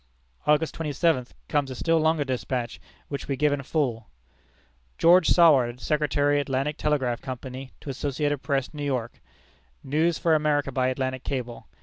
August twenty seventh, comes a still longer despatch, which we give in full: "George Saward, Secretary Atlantic Telegraph Company, to Associated Press, New York. News for America by Atlantic cable.